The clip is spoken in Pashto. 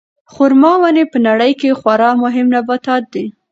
خورما ونې په نړۍ کې خورا مهم نباتات دي.